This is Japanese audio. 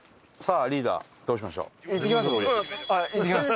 ああいってきます。